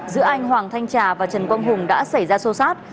giữa anh hoàng thanh trà và trần quang hùng đã xảy ra sô sát